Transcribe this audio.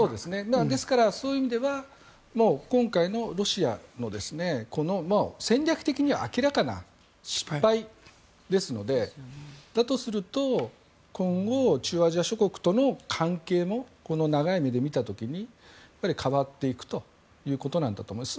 ですからそういう意味では今回のロシアの戦略的には明らかな失敗ですのでだとすると今後、中央アジア諸国との関係もこの長い目で見た時に変わっていくということだと思います。